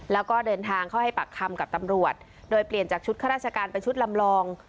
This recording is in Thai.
แล้วก็เดินทางเข้าให้ปากคำกับตำรวจโดยเปลี่ยนจากชุดข้าราชการเป็นชุดลำลอง